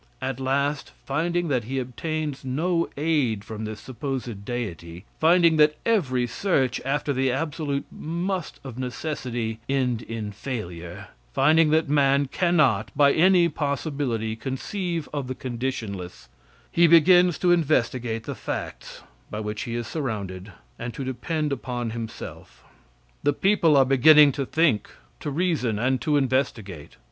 At last, finding that he obtains no aid from this supposed deity finding that every search after the absolute must of necessity end in failure finding that man cannot by any possibility conceive of the conditionless he begins to investigate the facts by which he is surrounded, and to depend upon himself. The people are beginning to think, to reason and to investigate.